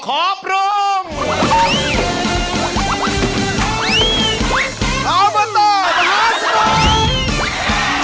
อขอบรวม